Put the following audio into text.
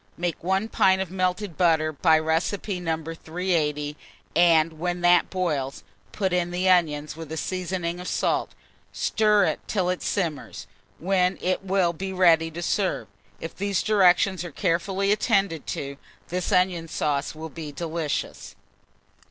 Make 1 pint of melted butter, by recipe No. 380, and when that boils, put in the onions, with a seasoning of salt; stir it till it simmers, when it will be ready to serve. If these directions are carefully attended to, this onion sauce will be delicious.